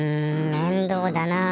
めんどうだなあ。